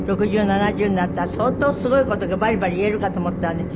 ６０７０になったら相当すごい事がバリバリ言えるかと思ったらね